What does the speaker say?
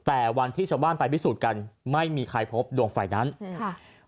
แต่วันที่ชาวบ้านไปพิสูจน์กันไม่มีใครพบดวงไฟนั้นอืมค่ะ